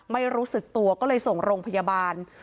ไม่รู้สึกตัวก็เลยส่งโรงพยาบาล